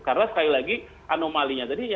karena sekali lagi anomalinya